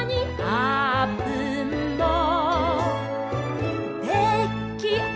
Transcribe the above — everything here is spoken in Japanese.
「あーぷんのできあがり」